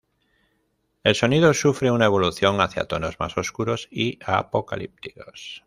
El sonido sufre una evolución hacia tonos más oscuros y apocalípticos.